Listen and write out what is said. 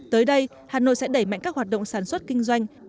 tới đây hà nội sẽ đẩy mạnh các hoạt động sản xuất kinh doanh